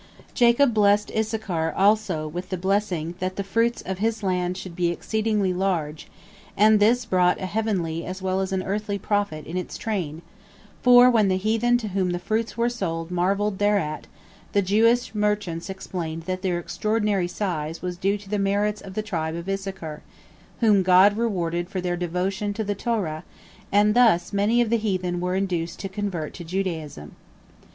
Jacob blessed Issachar also with the blessing, that the fruits of his land should be exceedingly large, and this brought a heavenly as well as an earthly profit in its train, for when the heathen to whom the fruits were sold marvelled thereat, the Jewish merchants explained that their extraordinary size was due to the merits of the tribe of Issachar, whom God rewarded for their devotion to the Torah, and thus many of the heathen were induced to convert to Judaism.